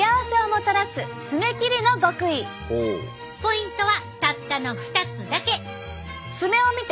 ポイントはたったの２つだけ！